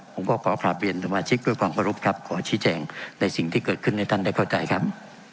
ผมก็ขอกลับเรียนสมาชิกด้วยความเคารพครับขอชี้แจงในสิ่งที่เกิดขึ้นให้ท่านได้เข้าใจครับ